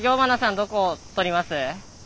どこ取ります？